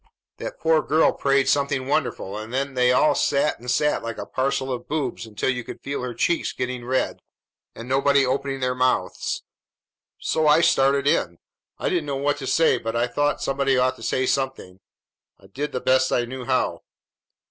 "That poor girl prayed something wonderful, and then they all sat and sat like a parcel of boobs until you could feel her cheeks getting red, and nobody opening their mouths; so I started in. I didn't know what to say, but I thought somebody ought to say something. I did the best I knew how."